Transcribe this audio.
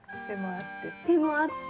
手もあって。